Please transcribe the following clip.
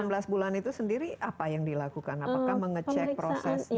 jadi delapan belas bulan itu sendiri apa yang dilakukan apakah mengecek prosesnya